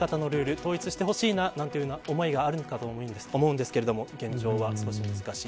統一してほしい、なんて思いもあると思うんですけど現状は少し難しい。